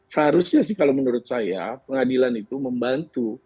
seharusnya sih kalau menurut saya pengadilan itu membantu